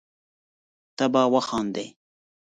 ته به وخاندي